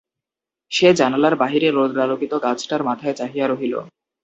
সে জানালার বাহিরে রৌদ্রালোকিত গাছটার মাথায় চাহিয়া রহিল।